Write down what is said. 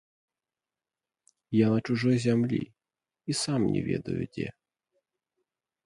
Я на чужой зямлі і сам не ведаю дзе.